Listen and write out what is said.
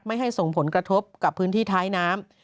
ให้ส่งผลกระทบกับพื้นที่ท้ายน้ำ